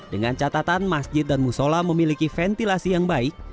dengan catatan masjid dan musola memiliki ventilasi yang baik